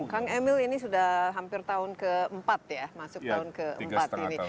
kang emil ini sudah hampir tahun ke empat ya masuk tahun ke empat ini